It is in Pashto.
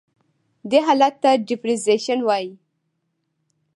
دې حالت ته Depreciation وایي.